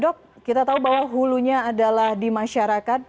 dok kita tahu bahwa hulunya adalah di masyarakat